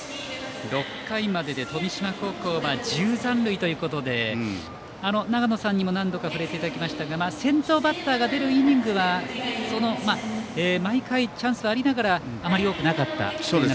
６回までで富島高校は１０残塁ということで長野さんにも何度か触れていただきましたが先頭バッターが出るイニングは毎回、チャンスはありながらあまり多くなかった。